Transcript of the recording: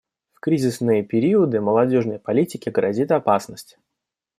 В кризисные периоды молодежной политике грозит опасность.